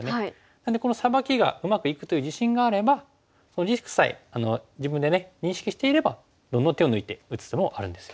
なのでこのサバキがうまくいくという自信があればそのリスクさえ自分で認識していればどんどん手を抜いて打つ手もあるんですよね。